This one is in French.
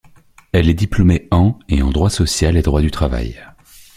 Elle est diplômée en et en droit social et droit du travail.